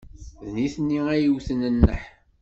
D nitni ay iwten nneḥ.